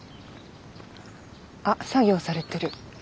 あ作業されてる。